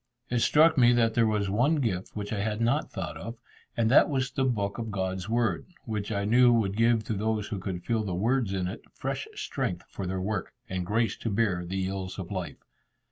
It struck me that there was one gift which I had not thought of, and that was the book of God's Word, which I knew would give to those who could feel the words in it, fresh strength for their work, and grace to bear the ills of life.